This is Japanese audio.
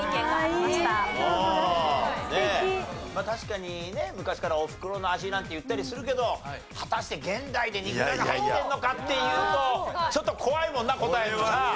確かにね昔からおふくろの味なんて言ったりするけど果たして現代で肉じゃが入ってるのかっていうとちょっと怖いもんな答えるのな。